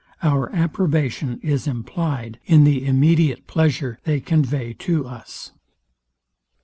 Our approbation is implyed in the immediate pleasure they convey to us.